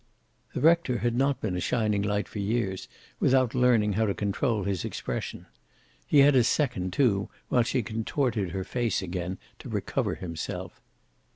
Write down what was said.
The rector had not been a shining light for years without learning how to control his expression. He had a second, too, while she contorted her face again, to recover himself.